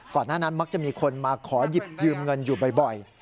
หน้านั้นมักจะมีคนมาขอหยิบยืมเงินอยู่บ่อย